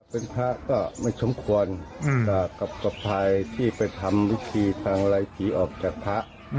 เป็นพระก็ไม่สมควรกับสะพายที่ไปทำวิธีทางลายผีออกจากพระ